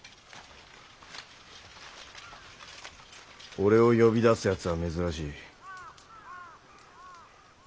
俺を呼び出すやつは珍しい。